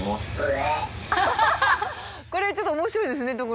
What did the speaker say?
これちょっと面白いですね所